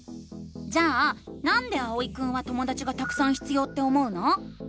じゃあ「なんで」あおいくんはともだちがたくさん必要って思うの？